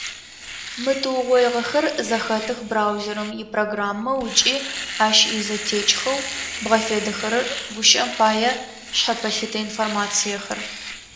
Мы тыугъоигъэхэр зэхэтых браузерым ипрограммэу ыкӏи ащ изэтекӏхэу бгъэфедэхэрэр, гущыӏэм пае, шъхьэпэлъытэ информациехэр.